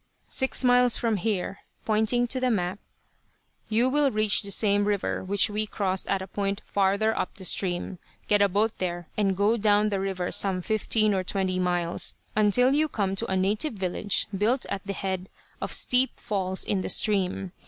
"Six miles from here," pointing to the map, "you will reach the same river which we crossed at a point farther up the stream. Get a boat there and go down the river some fifteen or twenty miles, until you come to a native village built at the head of steep falls in the stream.